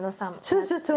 そうそうそう。